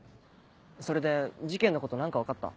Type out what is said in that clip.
それで事件のこと何か分かった？